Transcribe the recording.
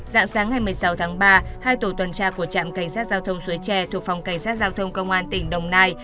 dạng sáng ngày một mươi sáu tháng ba hai tổ tuần tra của trạm cảnh sát giao thông suối tre thuộc phòng cảnh sát giao thông công an tỉnh đồng nai